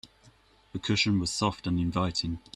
The cushion was soft and inviting.